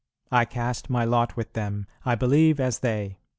I cast my lot with them, I believe as they."